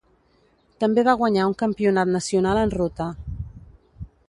També va guanyar un campionat nacional en ruta.